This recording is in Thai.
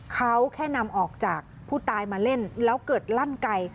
เขาแค่นำออกจากผู้ตายมาเล่นแล้วเกิดลั่นไก่